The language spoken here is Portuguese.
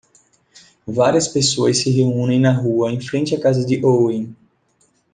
Várias pessoas se reúnem na rua em frente à casa de Owen.